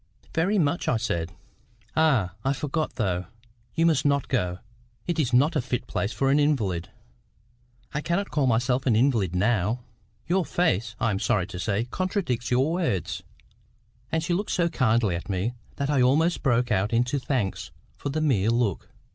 "Very much," I said. "Ah! I forgot, though. You must not go; it is not a fit place for an invalid." "I cannot call myself an invalid now." "Your face, I am sorry to say, contradicts your words." And she looked so kindly at me, that I almost broke out into thanks for the mere look.